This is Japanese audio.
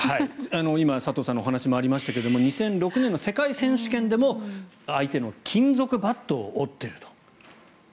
今、佐藤さんのお話にもありましたが２００６年の世界選手権でも相手の金属バットを折っていると。